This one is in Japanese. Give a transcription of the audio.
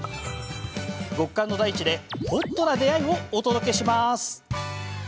極寒の大地でホッとな出会いをお届けします。